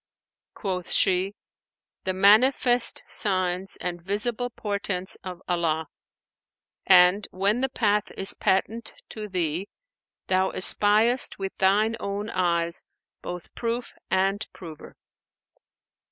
Quoth she, 'The manifest signs and visible portents of Allah; and, when the path is patent to thee, thou espiest with thine own eyes both proof and prover.'